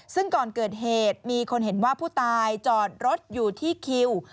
ซึ่งก่อนเกิดเหตุมีคนเห็นว่าผู้ตายจอดรถอยู่ที่คิว